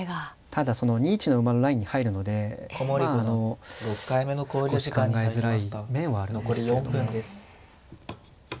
ただその２一の馬のラインに入るのでまああの少し考えづらい面はあるんですけれども。